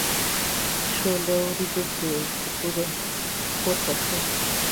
د شوله وریجو تپونه پورته شول.